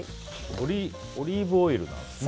オリーブオイルなんですね。